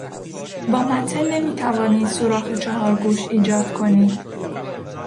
با مته نمیتوانی سوراخ چهارگوش ایجاد کنی.